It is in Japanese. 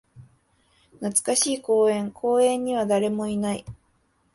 懐かしい公園。公園には誰もいない。